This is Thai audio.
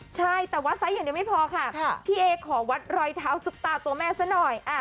ใช่แต่ว่าไซส์อย่างเดียวไม่พอค่ะพี่เอขอวัดรอยเท้าซุปตาตัวแม่ซะหน่อย